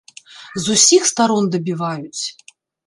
З усіх старон дабіваюць!